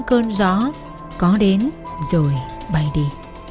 có đến rồi bày đi